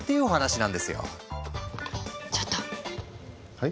はい？